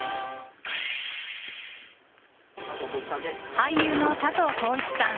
俳優の佐藤浩市さん